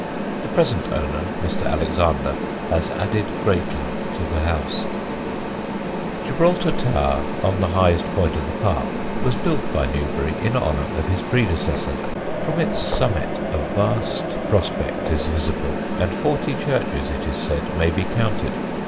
The present owner, Mr. Alexander, has added greatly to the house. [Sidenote: GIBRALTAR TOWER] Gibraltar Tower, on the highest point of the park, was built by Newbery in honour of his predecessor. From its summit a vast prospect is visible, and forty churches, it is said, may be counted.